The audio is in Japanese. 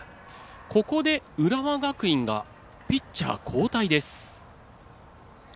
ここで浦和学院がピッチャー交代です。